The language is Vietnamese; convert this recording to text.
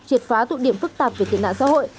triệt phá tụ điểm phức tạp về tệ nạn xã hội